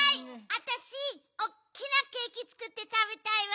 あたしおっきなケーキつくってたべたいわ！